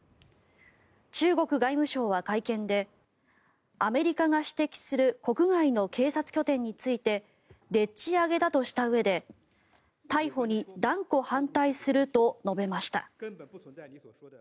中国外務省は会見でアメリカが指摘する国外の警察拠点についてでっち上げだとしたうえで逮捕に断固反対すると述べました。